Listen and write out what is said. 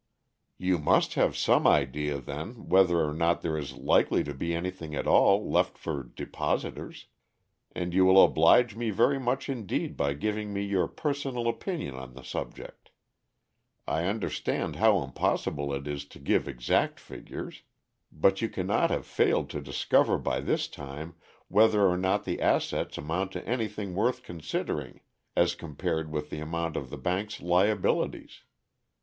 "You must have some idea, then, whether or not there is likely to be anything at all left for depositors, and you will oblige me very much indeed by giving me your personal opinion on the subject. I understand how impossible it is to give exact figures; but you cannot have failed to discover by this time whether or not the assets amount to anything worth considering, as compared with the amount of the bank's liabilities.